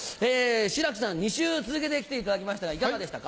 志らくさん２週続けて来ていただきましたがいかがでしたか？